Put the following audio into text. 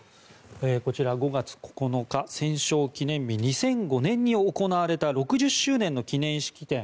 こちら、５月９日、戦勝記念日２００５年に行われた６０周年の記念式典。